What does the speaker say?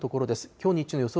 きょう日中の予想